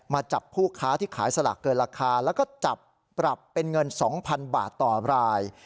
จับผู้ค้าที่ขายสลากเกินราคาแล้วก็จับปรับเป็นเงิน๒๐๐๐บาทต่อราย